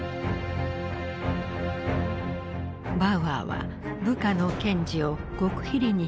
バウアーは部下の検事を極秘裏に東側へ派遣した。